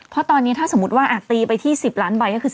เพราะตอนนี้ถ้าสมมุติว่าตีไปที่๑๐ล้านใบก็คือ